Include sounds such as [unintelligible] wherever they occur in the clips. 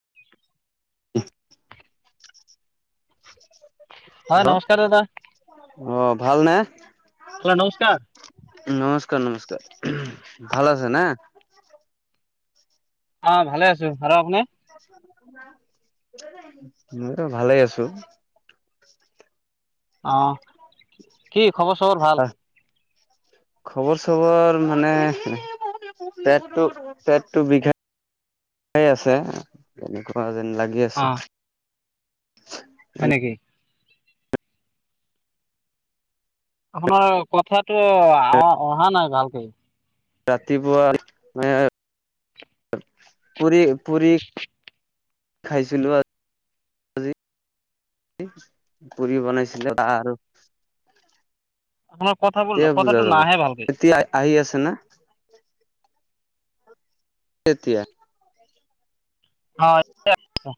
[inaudible] উম [unintelligible] হয় নমস্কাৰ দাদা। অ ভাল নে? হেল্ল' নমস্কাৰ। নমস্কাৰ নমস্কাৰ ভালে আছ না। অ ভালে আছো আৰু আপুনি? মইতো ভালেই আছো। অ কি খবৰ চবৰ ভাল। আহ খবৰ চবৰ মানে পেটটো পেটটো বিষায় বিষায় আছে এনেকুৱা যেন লাগি অ আছে। হয় নেকি। আপোনাৰ কথাটো অ অহা নাই ভালকে। ৰাতিপুৱা মানে পুৰি পুৰি খাইছিলো আ আজি। পুৰি বনাইছিলে বা আৰু। আপোনাৰ কথা এতিয়া বুজা যাব এতিয়া আহি আছে না। এতিয়া। হয় [inaudible]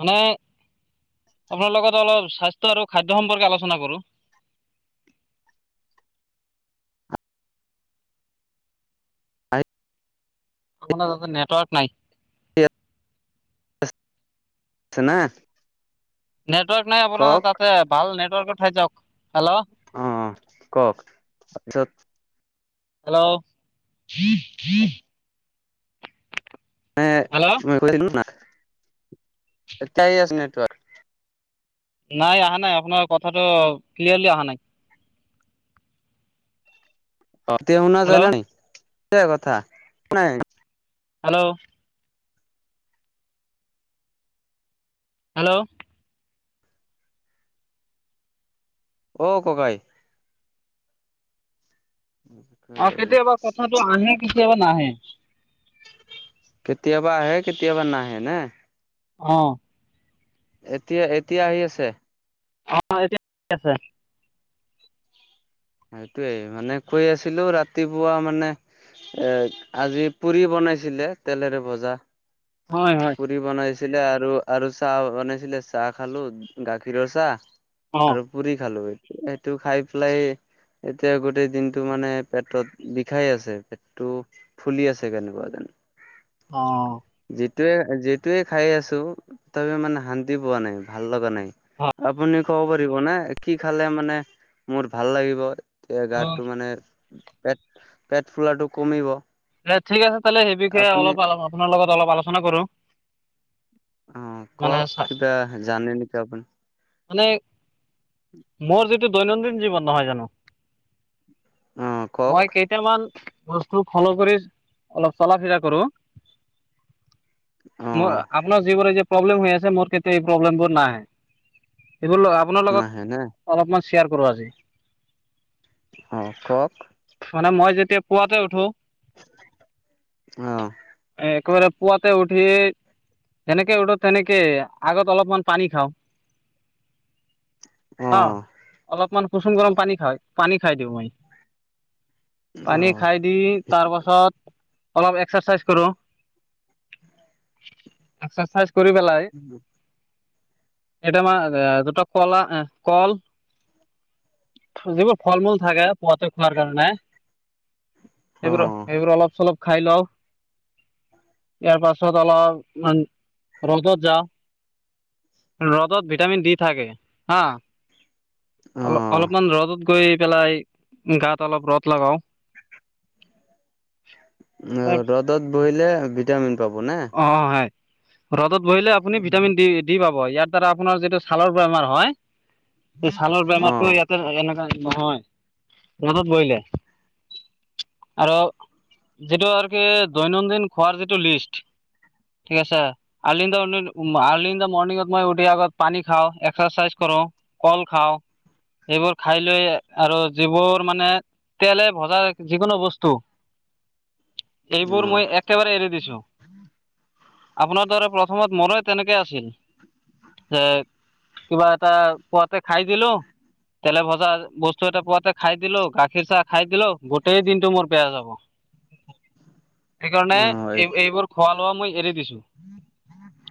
মানে আপোনাৰ লগত অলপ স্বাস্থ্য আৰু খাদ্য সম্পৰ্কে আলোচনা কৰোঁ। আহি আপোনাৰ তাতে নেটৱৰ্ক নাই। ছেনে নেটৱৰ্ক নাই আপোনাৰ তাতে ভাল নেটৱৰ্ক ঠাইত যাওঁক হেল্ল'। অ কওক তাৰপিছত। হেল্ল' হেল্ল' এই নেটৱৰ্কটো নাই, এতিয়া আহি আছে নেটৱৰ্ক। নাই আহা নাই আপোনাৰ কথাটো ক্লিয়াৰলি আহা নাই। অ এতিয়া শুনা যাই হেল্ল' নে নাই, যে [unintelligible] কথা একো নাই হেল্ল'? হেল্ল'? অ ককাই? উ [inaudible] অ কেতিয়াবা কথাটো আহে কেতিয়াবা নাহে। কেতিয়াবা আহে কেতিয়াবা নাহে না। অঁ। এতিয়া এতিয়া আহি আছে। অ এতিয়া ঠিক আছে। সেইটোয়েই মানে কৈ আছিলো ৰাতিপুৱা মানে এ আজি পুৰি বনাইছিলে তেলেৰে ভজা। হয় হয়। পুৰি বনাইছিলে আৰু আৰু চাহ বনাইছিলে চাহ খালোঁ, গাখীৰৰ চাহ অ আৰু পুৰি খালো সেইটো খাই পেলাই এতিয়া গোটেই দিনটো মানে পেটত বিষাই আছে পেটটো ফুলি আছে কেনেকুৱা জানো। অ। যিটোৱে যিটোৱে খাই আছো তথাপিও মানে শান্তি পোৱা নাই ভাল লগা নাই। আপুনি কব পাৰিব নে কি খালে মানে মোৰ ভাল লাগিব? এতিয়া অ গাটো মানে পেট - পেট ফুলাটো কমিব। এ ঠিক আছে, তেলে সেই বিষয়ে আপুনি অলপ আপোনাৰ লগত অলপ আলোচনা কৰো। অ মানে কওক চা কিবা জানে নেকি আপুনি? মানে [inaudible] মোৰ যিটো দৈনন্দিন জীৱন নহয় জানো, অ কওক মই কেই কেইটামান বস্তু ফল' কৰি অলপ চলা ফিৰা কৰো। অ। ম আপোনাৰ যিবোৰ যে প্ৰব্লেম হৈ আছে মোৰ কেতিয়া এই প্ৰব্লেমবোৰ নাহে, এইবোৰ ল আ আপোনাৰ নাহে নে লগত অলপমান শ্বেয়াৰ কৰোঁ আজি? অ কওক? মানে মই যেতিয়া পুৱাতে উঠো অহ। এ একেবাৰে পুৱাতে উঠি তেনেকে উঠোঁ তেনেকেই আগত অলপমান পানী খাওঁ। অ অলপমান কুসুম গৰম পানী খাই পানী খাই দিওঁ মই। অ পানী খাই দি তাৰপাছত অলপ এক্সাৰচাইজ কৰো, এক্সাৰচাইজ কৰি পেলাই উ [inaudible] এটা মা আ দুটা কলা এ কল, যিবোৰ ফল -মূল থাকে পোৱাতে খোৱাৰ কাৰণে অ এইবোৰ সেইবোৰ অলপ চলপ খাই লও। ইয়াৰ পাছত অলপমান ৰ'দত যাওঁ। ৰ'দত ভিটামিন দি থাকে হা, অ অলপমান ৰ'দত গৈ পেলাই গাত অলপ ৰ'দ লগাও। অ তাৰ ৰ'দত বহিলে ভিটামিন পাব না? অ হয় ৰ'দত বহিলে আপুনি ভিটামিন দি দি পাব, ইয়াৰ দ্বাৰা আপোনাৰ যিটো ছালৰ বেমাৰ হয় এই ছালৰ অ বেমাৰটো ইয়াতে এনেকা নহয় ৰ'দত বহিলে। আৰু যিটো আৰু কি দৈনন্দিন খোৱাৰ যিটো লিষ্ট ঠিক আছে early in the morning early in the মৰ্নিংত মই উঠি আগত পানী খাওঁ এক্সাৰচাইজ কৰো, কল খাওঁ এইবোৰ খাই লৈ আৰু যিবোৰ মানে তেলে ভজা যিকোনো বস্তু অ এইবোৰ মই একেবাৰে এৰি দিছো। আপোনাৰ দৰে প্ৰথমত মন তেনেকে আছিল, সেক কিবাত- তা পুৱাতে খাই দিলোঁ। তেলে ভজা বস্তু এটা পোৱাতে খাই দিলো গাখীৰ চাহ খাই দিলো গোটেই দিনটো মোৰ বেয়া যাওঁক। সেইকাৰণে এই এইবোৰ খোৱা লোৱা মই এৰি দিছোঁ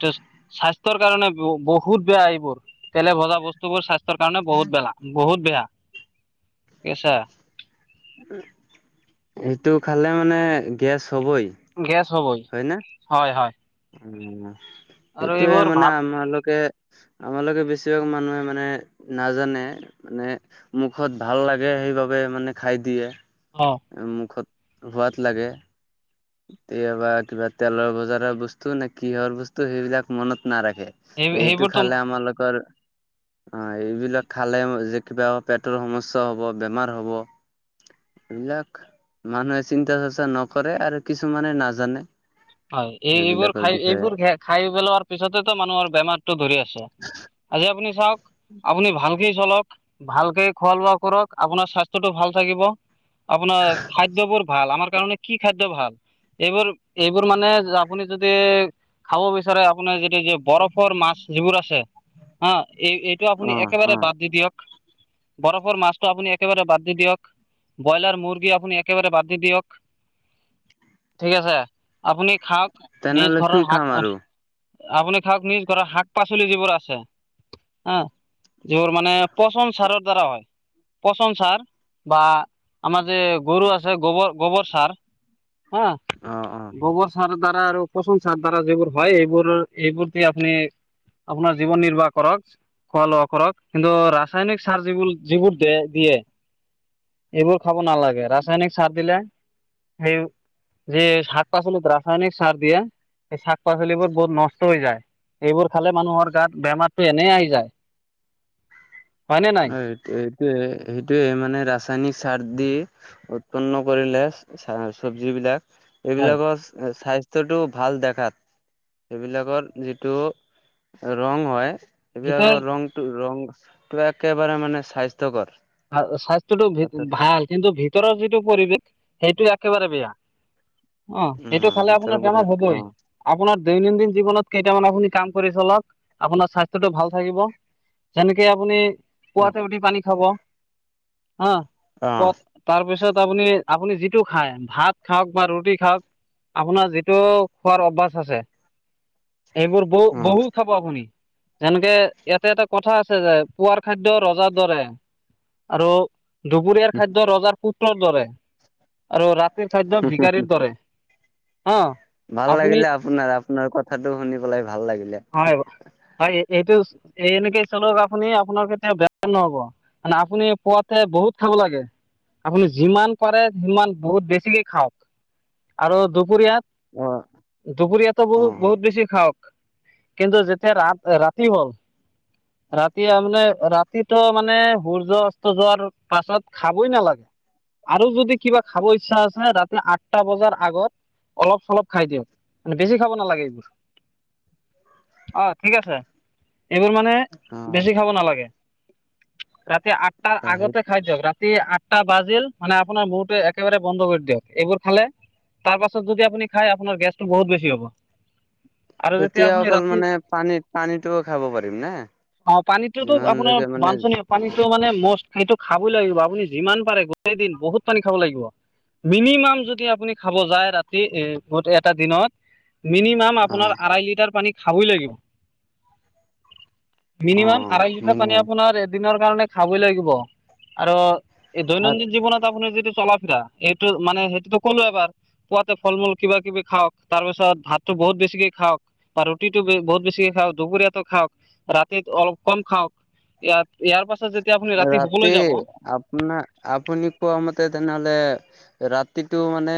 তেচ স্বাস্থ্যৰ কাৰণে বহুত বেয়া এইবোৰ। তেলে ভজা বস্তুবোৰ স্বাস্থ্যৰ কাৰণে বহুত বেলা বহুত বেয়া ঠিক আছে। সেইটো খালে মানে গেছ হবই। গেছ হ'বই হয় হয়। উ আৰু সেইটোয়ে এইবোৰ মানে ভাত আমালোকে আমালোকে বেছিভাগ মানুহে মানে নাজানে। মানে মুখত ভাল লাগে সেইবাবে মানে খাই দিয়ে। অ। মুখত সোৱাদ লাগে। কেতিয়াবা কিবা তেলৰ বজাৰৰ বস্তু নে কিহৰ বস্তু সেইবিলাক মনত নাৰাখে। এই এইটো সেইবোৰতো খালে আমালোকৰ অ এইবিলাক খালে যে কিবা পেটৰ সমস্যা হব বেমাৰ হ'ব। এইবিলাক মানুহে চিন্তা চৰ্চা নকৰে আৰু কিছুমানে নাজানে। হয় এই এইবোৰ সেইবিলাকৰ খাই বিষয়ে এইবোৰ খাই পেলোৱাৰ পিছতেতো মানুহৰ বেমাৰটো ধৰি আছে। আজি আপুনি চাওক আপুনি ভালকেই চলক ভালকে খোৱা লোৱা কৰক আপোনাৰ স্বাস্থ্যটো ভাল থাকিব। আপোনাৰ খাদ্যবোৰ ভাল আমাৰ কাৰণে কি খাদ্য ভাল। এইবোৰ এইবোৰ মানে আপুনি যদি খাব বিচাৰে আপোনাৰ যেতিয়া যি বৰফৰ মাছ যিবোৰ আছে। হা এই এইটো অ আপুনি অ একেবাৰে বাদ দি দিয়ক। বৰফৰ মাছটো আপুনি একেবাৰে বাদ দি দিয়ক। ব্ৰইলাৰ, মুৰ্গী আপোনি একেবাৰে বাদ দি দিয়ক। ঠিক আছে আপুনি খাওক নিজ তেনেহ'লে কি ঘৰৰ খাম শাক আৰু আপুনি খাওক নিজ ঘৰ শাক পাচলি যিবোৰ আছে হা। যিবোৰ মানে পচন সাৰৰ দ্বাৰা হয়। পচন সাৰ বা আমাৰ যে গৰু আছে গোবৰ গোবৰ সাৰ হা। অ অ। গোবৰ সাৰ দ্বাৰা আৰু পচন সাৰ দ্বাৰা যিবোৰ হয় এইবোৰ এইবোৰ দি আপুনি আপোনাৰ জীৱন নিৰ্বাহ কৰক খোৱা লোৱা কৰক কিন্তু ৰাসায়নিক সাৰ যিবোল যিবোৰ দি দিয়ে এইবোৰ খাব নালাগে ৰাসায়নিক সাৰ দিলে সেই যে শাক পাচলি দ্বাৰা ৰাসায়নিক সাৰ দিয়ে হেই শাক পাচলিবোৰ বহুত নষ্ট হৈ যায়। এইবোৰ খালে মানুহৰ গাত বেমাৰতটো এনে আহি যায়। হয় নে নাই অ এই এইটোয়ে সেইটোয়ে মানে ৰাসায়নিক সাৰ দি উৎপন্ন কৰিলে চা চবজি বিলাক হয় এইবিলাকৰ স্থা- টোতো ভাল দেখাত সেইবিলাকৰ যিটো ৰং হয়। ভিতৰ এইবিলাকৰ ৰংটো ৰংটোৱে একেবাৰে মানে স্বাস্থ্যকৰ ভা স্বাস্থ্যটো ভিত অৰ্থাৎ ভাল কিন্তু ভিতৰৰ যিটো পৰিৱেশ সেইটো একেবাৰে বেয়া। অ সেইটো উম খালে ভিতৰৰ আপোনাৰ বেমাৰ পৰিৱেশটো অ হ'বই। আপোনাৰ দৈনন্দিন জীৱনত কেইটামান আপুনি কাম কৰি চলক আপোনাৰ স্বাস্থ্যটো ভাল থাকিব। যেনেকে আপুনি পুৱাতে উঠি পানী খাব। হ অ অ পত তাৰপিছত আপুনি আপুনি যিটো খাই ভাত খাওক বা ৰুটি খাওক আপোনাৰ যিটো খোৱাৰ অভ্যাস আছে। এইবোৰ ব বহু খা- ব আপুনি যেনেকে ইয়াতে এটা কথা আছে যে পুৱাৰ খাদ্য ৰজাৰ দৰে আৰু দুপুৰীয়াৰ খাদ্য ৰজাৰ পুত্ৰৰ দৰে আৰু ৰা- তিৰ খাদ্য ভিখাৰীৰ দৰে হ। ভাল লাগিলে আপোনাৰ আপোনাৰ কথাটো শুনি পেলাই ভাল লাগিলে। হয় হয় এই এইটো এই এনেকে চলক আপুনি আপোনাৰ কেতিয়া বেয়া নহব। মানে আপুনি পোৱাতে বহুত খাব লাগে। আপুনি যিমান পাৰে সিমান বহুত বেছিকে খাওক আৰু দুপৰীয়াত অ। দুপৰীয়াটো অ বহুত - বহুত বেছি খাওক কিন্তু যেতিয়া ৰা ৰাতি হ'ল ৰাতি তাৰমানে ৰাতিটো মানে ভুল য অস্ত যোৱাৰ পাছত খাবই নালাগে। আৰু যদি কিবা খাব ইচ্ছা আছে, ৰাতি আঠটা বজাৰ আগত অলপ - চলপ খাই দিয়ক, মানে বেছি খাব নালাগে এইবোৰ। অ ঠিক আছে এইবোৰ মানে অ বেছি খাব নালাগে। ৰাতি আঠটা সেই আগতে খাই দীয়ক ৰা তি আঠটা বাজিল মানে আপোনাৰ মূৰতে একেবাৰে বন্ধ কৰি দিয়ক এইবোৰ খালে তাৰপাছত যদি আপনি খাই আপোনাৰ গেছটো বহুত বেছি হ'ব। আৰু যেতিয়া তেতিয়া আপুনি অকল ৰাতি মানে পানীত পানীটো খাব পাৰিম ন? অ পানীততো আপোনাৰ বাঞ্চনীয় পানীটো মানে মষ্ট সেইটো খাবই লাগিব আপুনি যিমান পাৰে গোটেই দিন বহুত পানী খাব লাগিব। মিনিমাম যদি আপুনি খাব যায় ৰাতি এ গোট এটা দিনত মিনিমাম অ আপোনাৰ আঢ়াই লিটাৰ পানী খাবই লাগিব। অ মিনিমাম আঢ়াই লিটাৰ পানী মিনিমাম আপোনাৰ এদিনৰ কাৰণে খাবই লাগিব, আৰু এই দৈনন্দিন জীৱনত আপোনাৰ যিটো চলাফিৰা, এইটো মানে সেইটোতো ক'লো এবাৰ। পুৱাতে ফল - মূল কিবা - কিবি খাৱক, তাৰ পিছত ভাতটো বহুত বেছিকে খাৱক। বা ৰুটিটো বহুত বেছি খাওঁক, দুপৰীয়াতো খাওঁক ৰাতি অলপ কম খাওঁক। ইয়াৰ-ইয়াৰ পাছত যেতিয়া শুবলৈ ৰাতি যাব আপনা আপুনি কোৱা মতে তেনেহ'লে ৰাতিটো মানে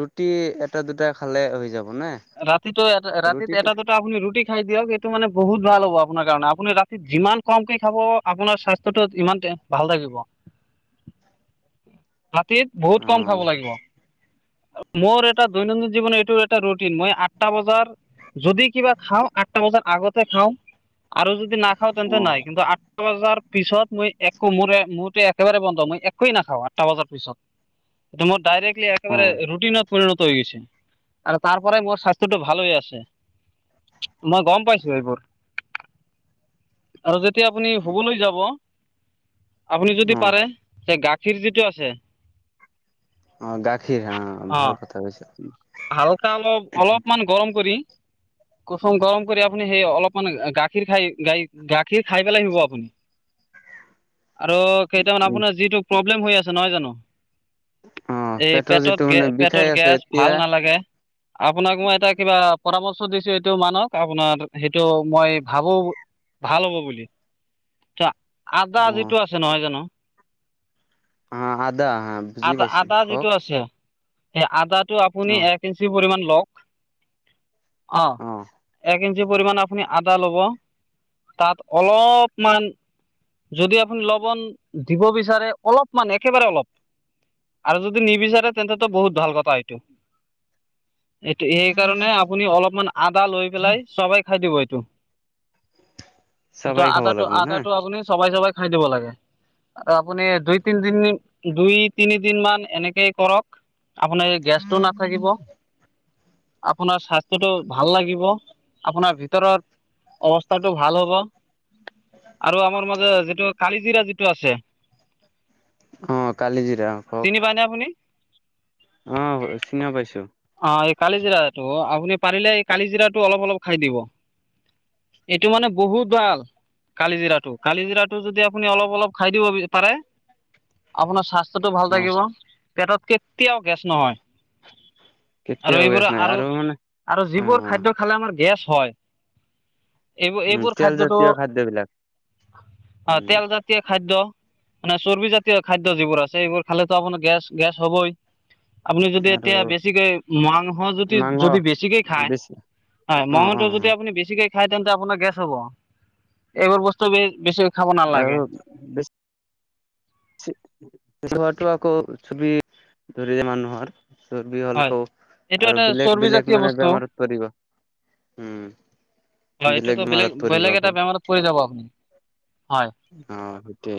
ৰুটি এটা দুটা খালে হৈ যাব নে? ৰাতিটো এটা ৰাতিত ৰুটিটো এটা দু টা আপুনি ৰুটি খাই দিয়ক এইটো মানে বহুত ভাল হ'ব আপোনাৰ কাৰণে, আপুনি ৰাতি যিমান কমকে খাব আপোনাৰ স্বাস্থ্যটো যিমান তে ভাল থাকিব। ৰাতিত বহুত অ কম খাব লাগিব, মোৰ এটা দৈনন্দিন জীৱন এইটো এটা ৰুট টিন, মই আঠটা বজাৰ যদি কিবা খাওঁ আঠটা বজাৰ আগতে খাওঁ আৰু যদি না খাওঁ অ তেন্তে নাই, কিন্তু আঠটা বজাৰ পিছত মই একো মোৰ মোৰো একেবাৰে বন্ধ মই একোৱেই নাখাওঁ আঠটা বজাৰ পিছত। এটো মোৰ ডাইৰেক্টলি অ একেবাৰে ৰুটিনত পৰিণত হৈ গৈছে। আৰু তাৰ পৰাই মোৰ স্বাস্থ্যটো ভাল হৈ আছে। মই গম পাইছো এইবোৰ। আৰু যেতিয়া আপুনি শুবলৈ যাব আপুনি যদি অ পাৰে যে গাখীৰ যিটো আছে অ', গাখীৰ হা, অঁ ভাল কথা কৈছে, উম। হালকা অলপ অলপমান গৰম কৰি কচুম গৰম কৰি আপুনি সেই অলপমান গাখীৰ খাই গাই গাখীৰ খাই পেলাই শুব আপুনি। আৰু কেইটামান আপোনাৰ যিটো প্ৰব্লেম হৈ আছে নহয় জানো? অ এই পেটৰ যিটো পেটত গে মানে বিষাই পেটৰ আছে গেছ, এতিয়া ভাল নালাগে। আপোনাক মই এটা কিবা পৰামৰ্শ দিছো এইটো মানক আপোনাৰ সেইটো মই ভাবো ভাল হ'ব বুলি, আদা অ যিটো আছে নহয় জানো। অ', আদা অ', বুজি আদা পাইছোঁ আদা কওঁক? যিটো আছে সেই আদাটো আপুনি এক ইঞ্চি পৰিমান লওঁক অ', এক কিঞ্চি পৰিমাণ আপুনি আদা ল'ব, তাত অলপমান যদি আপুনি লবণ দিব বিচাৰে, অলপমান একেবাৰে অলপ আৰু যদি নিবিচাৰে, তেন্তেটো বহুত ভাল কথাই এইটো সেইকাৰণে আপুনি অলপমান আদা লৈ পেলাই চবাই খাই দিব এইটো, এইটো চাবাই খাব আদাটো- লাগিব না? আদাটো আপুনি চবাই- চবাই খাই দিব লাগে, আৰু আপুনি দুই তিনিদিন নি দুই তিনিদিনমান এনেকেই কৰক আপোনাৰ গেছটো নাথাকিব। আপোনাৰ স্বাস্থ্যটো ভাল লাগিব আপোনাৰ ভিতৰত। অৱস্থাটো ভাল হ'ব। আৰু আমাৰ মাজে যিটো কালি জিৰা যিটো আছে অ কালি জিৰা কওক নে আপুনি অ', চিনাও পাইছোঁ। অ', এই কালিজিৰাটো আপুনি পাৰিলে এই কালিজিৰাটো অলপ-অলপ খাই দিব। এইটো মানে বহুত ভাল। কালি জিৰাটো, কালি জিৰাটো যদি আপুনি অলপ- অলপ খাই দিব পাৰে আপোনাৰ স্বাস্থ্যটো ভাল অ থাকিব, পেটত কেতিয়াও গেছ নহয়। আৰু কেতিয়াও গেছ এইবোৰা নাই আৰু- মানে আৰু অ যিবোৰ অ খাদ্য খালে আমাৰ গেছ হয়। এইবোৰ- উম এইবোৰ খাদ্যটো, তেলজাতীয় খাদ্যবিলাক অ', উম তেল জাত জাতীয় খাদ্য মানে চৰ্বি জাতীয় খাদ্য যিবোৰ আছে সেইবোৰ খালেতো আপোনাৰ গেছ- গেছ হ'বই। আপুনি যদি আৰু এতিয়া বেছ বেছিকৈ মাংস যদি- মাংস যদি বেছিকে খায়, বেছি হয় অ অ মাংসটো যদি অ আপুনি বেছিকে খাই তেন্তে আপোনাৰ গেছ হ'ব এইবোৰ বস্তু বেছি। খাব নালাগে আৰু বে ছি টো হোৱাটো আকৌ চৰ্বি ধৰি যে মানুহৰ চৰ্বি হয় হলকো এইটো আৰু এটা বেলেক চৰ্বি বেলেক জাতীয় মানে বস্তু বেমাৰত পৰিব উম হয় এইটোতো বেলেগে বেলেগ বেমাৰত পৰিব বেলেগ আকৌ এটা বেমাৰত পৰি যাব আপুনি হয় অ সেইটোৱে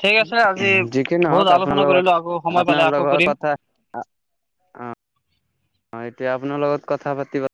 ঠিক আছে আজি যি কি বহুত নহওক আপোনাৰ আলোচনা লগত কৰিলো আকৌ সময় আপোনাৰ পালে আকৌ লগত কৰিম কথা অ এতিয়া আপোনাৰ লগত কথা পাতিবা